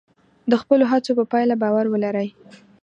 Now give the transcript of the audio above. د خپلو هڅو په پایله باور ولرئ.